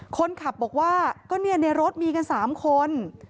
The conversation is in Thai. คนขับบอกว่าในรถมีกันสามคน